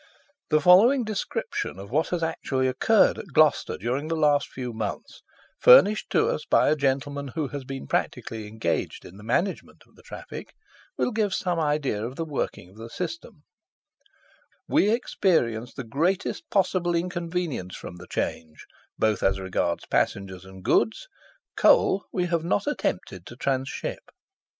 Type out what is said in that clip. The following description of what has actually occurred at Gloucester during the last few months, furnished to us by a gentleman who has been practically engaged in the management of the traffic, will give some idea of the working of the system: "We experience the greatest possible inconvenience from the change, both as regards passengers and goods; coals we have not attempted to tranship.